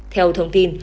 theo thông tin